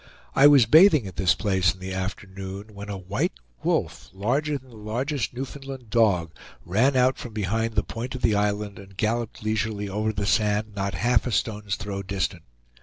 I was bathing at this place in the afternoon when a white wolf, larger than the largest Newfoundland dog, ran out from behind the point of the island, and galloped leisurely over the sand not half a stone's throw distant.